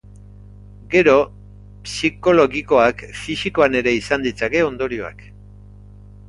Gero, psikologikoak fisikoan ere izan ditzake ondorioak.